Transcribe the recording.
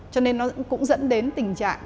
cho nên nó cũng dẫn đến tình trạng